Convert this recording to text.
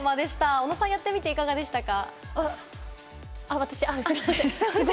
おのさん、やってみていかがでしたか？